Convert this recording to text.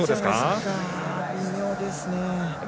微妙ですね。